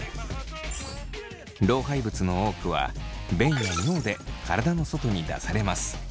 老廃物の多くは便や尿で体の外に出されます。